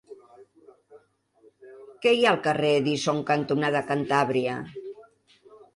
Què hi ha al carrer Edison cantonada Cantàbria?